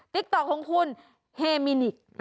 ติ๊กต๊อกของคุณเฮมินิก